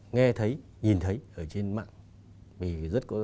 nghe thấy nhìn thấy ở trên mạng